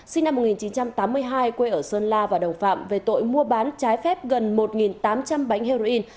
sinh năm một nghìn chín trăm tám mươi hai quê ở sơn la và đồng phạm về tội mua bán trái phép gần một tám trăm linh bánh heroin